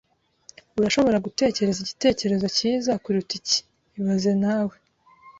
Urashobora gutekereza igitekerezo cyiza kuruta iki ibaze nawe